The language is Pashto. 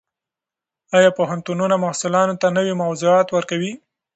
ایا پوهنتونونه محصلانو ته نوي موضوعات ورکوي؟